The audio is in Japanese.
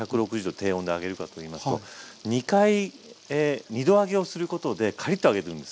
低温で揚げるかといいますと２度揚げをすることでカリッと揚げるんです。